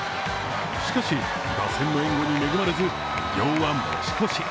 しかし、打線の援護に恵まれず、偉業は持ち越し。